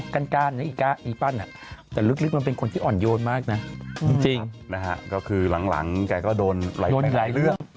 ครับเพราะคือหลังแกก็โดนหลายเรื่อง